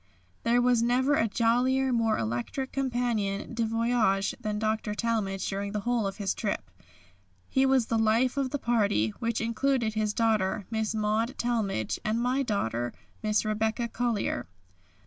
There was never a jollier, more electric companion de voyage than Dr. Talmage during the whole of his trip. He was the life of the party, which included his daughter, Miss Maud Talmage, and my daughter, Miss Rebekah Collier.